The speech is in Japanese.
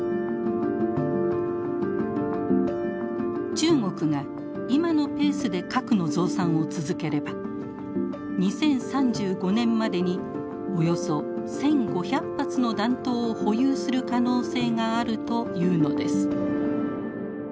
中国が今のペースで核の増産を続ければ２０３５年までにおよそ１，５００発の弾頭を保有する可能性があるというのです。